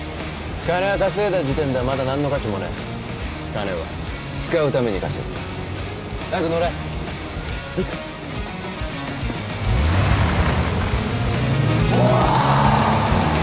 金は稼いだ時点ではまだ何の価値もねえ金は使うために稼ぐ早く乗れえっうわーっ！